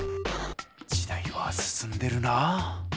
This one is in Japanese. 時代は進んでるなぁ。